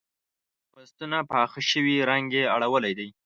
فصلونه پاخه شوي رنګ یې اړولی دی.